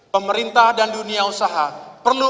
pemerintah dan dunia usaha perlu